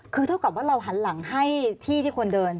คือเท่ากับว่าเราหันหลังให้ที่ที่คนเดิน